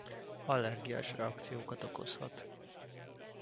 Allergiás reakciókat okozhat.